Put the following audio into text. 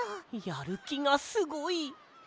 やるきがすごい。